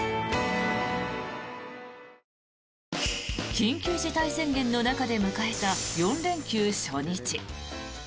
緊急事態宣言の中で迎えた４連休初日。